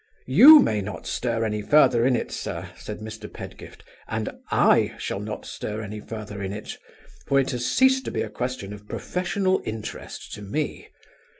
'You may not stir any further in it, sir,' says Mr. Pedgift, 'and I shall not stir any further in it, for it has ceased to be a question of professional interest to me.